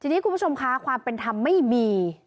ทีนี้คุณผู้ชมคะความเป็นธรรมไม่มี